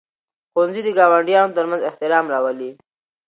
ښوونځي د ګاونډیانو ترمنځ احترام راولي.